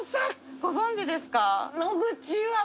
ご存じですか？